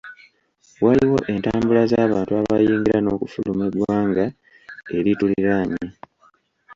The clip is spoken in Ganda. Waliwo entambula z'abantu abayingira n'okufuluma eggwanga erituliraanye.